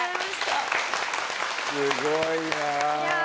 すごいなあ。